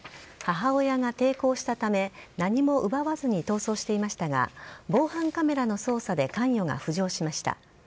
母親が抵抗したため、何も奪わずに逃走していましたが、防犯カメラの捜査で関与が浮上しました。